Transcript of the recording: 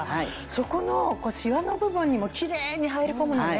そこのシワの部分にもキレイに入り込むのね。